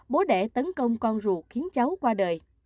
bố đẻ tấn công con ruột khiến cháu qua đời